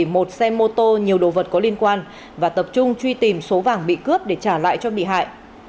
một xe mô tô nhiều đồ vật có liên quan và tập trung truy tìm số vàng bị cướp để trả lại cho bị hại